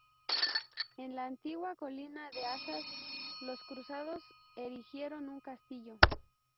En la antigua colina de Azaz los cruzados erigieron un castillo.